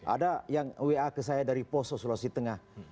ada yang wa ke saya dari poso sulawesi tengah